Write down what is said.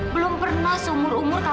belum pernah seumur umur kamu makan